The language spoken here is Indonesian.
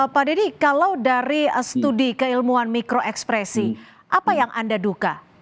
pak dedy kalau dari studi keilmuan mikro ekspresi apa yang anda duka